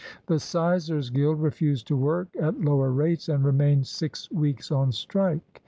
The sizers' guild refused to work at lower rates and remained six weeks on strike.